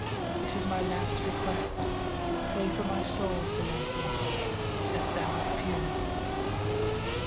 This is my last request. Pray for my soul, Sir Lancelot, as thou art peerless."